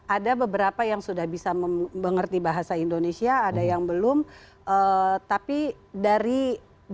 ada beberapa yang sudah bisa mengerti bahasa indonesia ada yang belum tapi dari sifat penerimaan mereka yang terlihat mereka bahagia dengan kehadiran kita